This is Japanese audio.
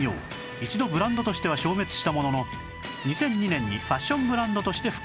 一度ブランドとしては消滅したものの２００２年にファッションブランドとして復活